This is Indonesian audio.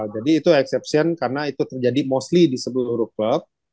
jadi itu exception karena itu terjadi mostly di sebelum rukbek